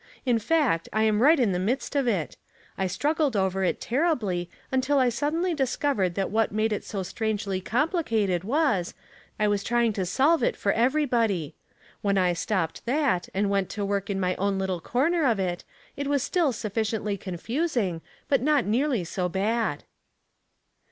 In fact, I'm right in the midst of it. I struggled over it terribly, until I sud denly discovered that what made it so strangely Tom laughed, and sat down on a stick of wood. LighL 285 complicated was, I was trying to solve it for everybody. When I stopped that, and went to work in my own little corner of it, it was still sufficiently confusing, but not nearly so bad."